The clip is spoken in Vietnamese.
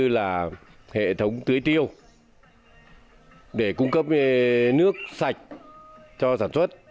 như hệ thống tưới tiêu để cung cấp nước sạch cho sản xuất